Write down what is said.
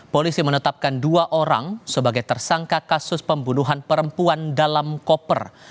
polisi menetapkan dua orang sebagai tersangka kasus pembunuhan perempuan dalam koper